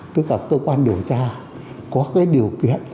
tức là cơ quan điều tra có cái điều kiện